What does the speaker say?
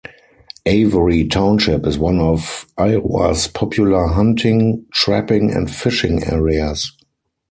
Avery Township is one of Iowa's popular hunting, trapping, and fishing areas.